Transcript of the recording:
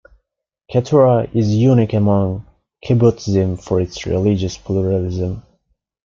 Ketura is unique among kibbutzim for its religious pluralism.